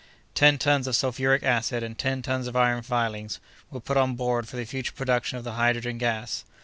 Ten tons of sulphuric acid and ten tons of iron filings, were put on board for the future production of the hydrogen gas.